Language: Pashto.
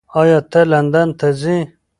ایا ته لندن ته ځې؟